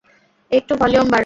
একটু ভলিউম বারাও।